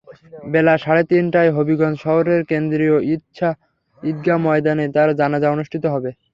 বেলা সাড়ে তিনটায় হবিগঞ্জ শহরের কেন্দ্রীয় ঈদগা ময়দানে তাঁর জানাজা অনুষ্ঠিত হবে।